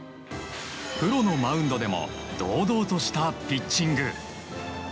プロのマウンドでも堂々としたピッチング。